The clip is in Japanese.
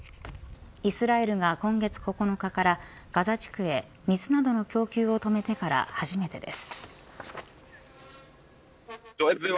イスラエルが今月９日からガザ地区へ水などの供給を止めてから初めてです。